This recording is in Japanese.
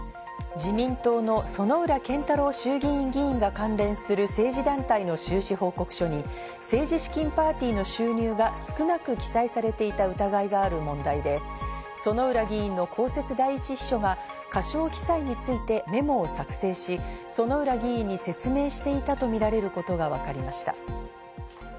自民党の薗浦健太郎衆議院議員が関連する政治団体の収支報告書に政治資金パーティーの収入が少なく記載されていた疑いがある問題で薗浦議員の公設第一秘書が過少記載についてメモを作成し、薗浦議員に説明していたとみられることがわかりました。